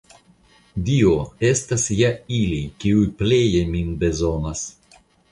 Dio, estas ja ili, kiuj pleje min bezonas.